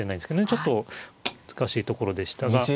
ちょっと難しいところでしたが。